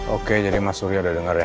oke jadi mas surya udah dengar ya